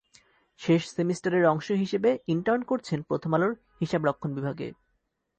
শেষ সেমিস্টারের অংশ হিসেবে ইন্টার্ন করছেন প্রথম আলোর হিসাব রক্ষণ বিভাগে।